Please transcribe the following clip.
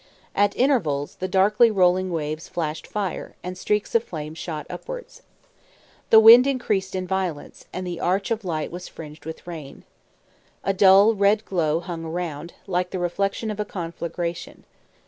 At intervals, the darkly rolling waves flashed fire, and streaks of flame shot upwards. The wind increased in violence, and the arch of light was fringed with rain. A dull, red glow hung around, like the reflection of a conflagration.